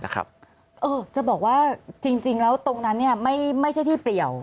จะบอกว่าจริงแล้วตรงนั้นไม่ใช่ที่เปลี่ยว